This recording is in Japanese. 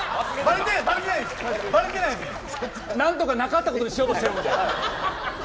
何とかなかったことにしようとしてる。